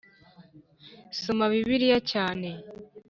soma bibiliya cyane